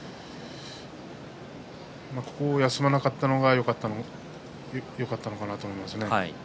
最後、休まなかったのがよかったと思いますね。